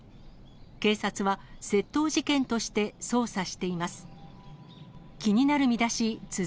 警察は窃盗事件として、捜査しています。